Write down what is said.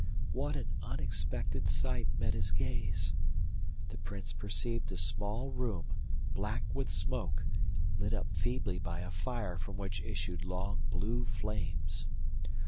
What an unexpected sight met his gaze! The Prince perceived a small room black with smoke, lit up feebly by a fire from which issued long blue flames.